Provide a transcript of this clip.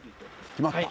決まった？